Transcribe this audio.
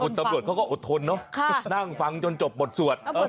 ตำรวจเขาก็อดทนเนอะนั่งฟังจนจบบทสวด